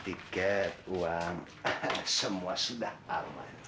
tiket uang semua sudah aman